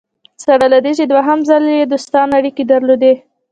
سره له دې چې دوهم ځل یې دوستانه اړیکي درلودې.